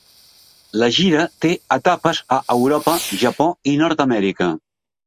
La gira té etapes a Europa, Japó i Nord-Amèrica.